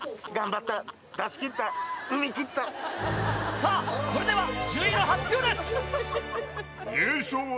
さぁそれでは順位の発表です！